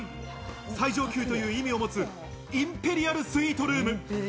最上級という意味を持つ、インペリアルスイートルーム。